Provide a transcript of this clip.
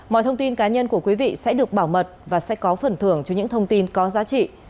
mọi thông tin cá nhân của quý vị sẽ được bảo mật và sẽ có phần thưởng cho những thông tin có giá trị